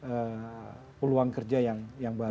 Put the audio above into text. ee peluang kerja yang baru